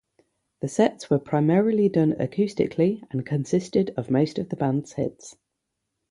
The sets were primarily done acoustically and consisted of most of the band's hits.